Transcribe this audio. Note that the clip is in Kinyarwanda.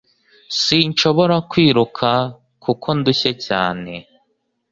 Sinshobora kwiruka kuko ndushye cyane.